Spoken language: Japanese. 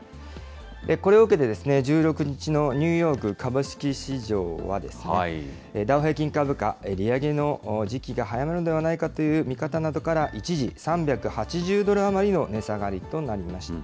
これを受けて、１６日のニューヨーク株式市場は、ダウ平均株価、利上げの時期が早まるのではないかという見方などから、一時３８０ドル余りの値下がりとなりました。